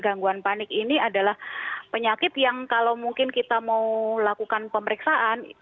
gangguan panik ini adalah penyakit yang kalau mungkin kita mau lakukan pemeriksaan